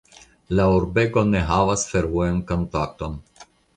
La urbego ne havas fervojan kontakton.